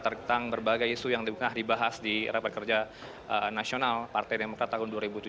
tentang berbagai isu yang dibahas di rapat kerja nasional partai demokrat tahun dua ribu tujuh belas